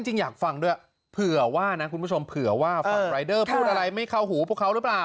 จริงอยากฟังด้วยเผื่อว่านะคุณผู้ชมเผื่อว่าฝั่งรายเดอร์พูดอะไรไม่เข้าหูพวกเขาหรือเปล่า